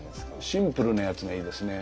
シンプルなやつがいいですね。